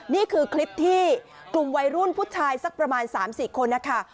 นี่คือคลิปที่กลุ่มวัยรุ่นผู้ชายสักประมาณ๓๔คนนะคะ